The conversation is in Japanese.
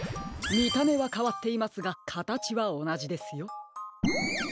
みためはかわっていますがかたちはおなじですよ。